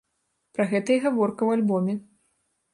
Пра гэта і гаворка ў альбоме.